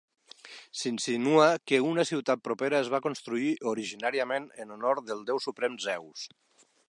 S'insinua que una ciutat propera es va construir originàriament en honor del déu suprem, Zeus.